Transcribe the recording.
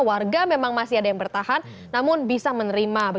warga memang masih ada yang bertahan namun bisa menerima